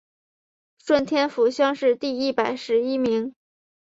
顺天府乡试第一百十一名。